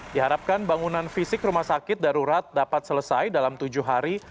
diharapkan bangunan fisik rumah sakit darurat dapat selesai dalam tujuh hari